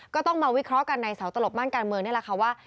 ก็ต้องมาวิเคราะห์กันในเสาตลบม่านการเมืองนี่แหละค่ะว่า